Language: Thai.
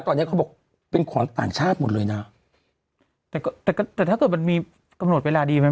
ตอนนี้เขาบอกเป็นของต่างชาติหมดเลยนะแต่ก็แต่ก็แต่ถ้าเกิดมันมีกำหนดเวลาดีไหม